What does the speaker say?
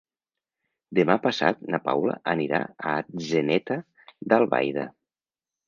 Demà passat na Paula anirà a Atzeneta d'Albaida.